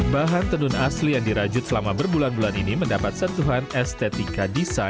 bahan tenun asli yang dirajut selama berbulan bulan ini mendapat sentuhan estetika desain